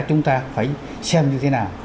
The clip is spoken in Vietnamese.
chúng ta phải xem như thế nào